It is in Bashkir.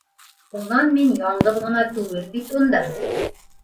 Унан мин яңғыҙ ғына түгел бит унда.